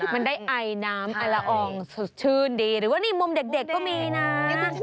มันได้ไอน้ำไอละอองสดชื่นดีหรือว่านี่มุมเด็กก็มีนะ